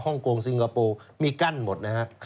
ฮ่องโกงซิงอะโปรมีกั้นหมดนะฮะ